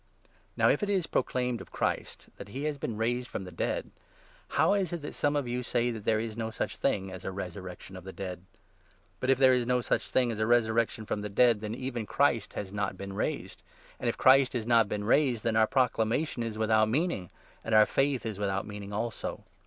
Now, if it is proclaimed of Christ that he has been raised 12 from the dead, how is it that some of you say that there is no such thing as a resurrection of the dead ? But, if there is no 13 such thing as a resurrection of the dead, then even Christ has not been raised ; and, if Christ has not been raised, then our 14 proclamation is without meaning, and our faith without mean ing also